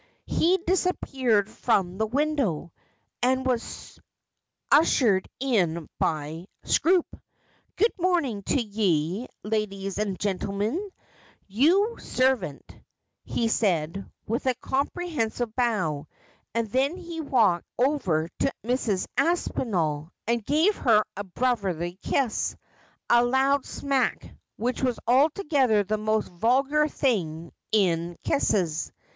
He disappeared from the window, and was ushered in by Scroope. 'Good mornin' to ye, ladees an' gintlemen — youi servant,' he said, with a comprehensive bow, and then he walked over to Mrs. Aspinall, and gave her a brotherly kiss, a loud smack, which was altogether the most vulgar thing in kisses.